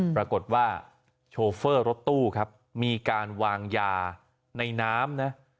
ปรากฏว่าโชเฟอร์รถตู้ครับมีการวางยาในน้ำนะ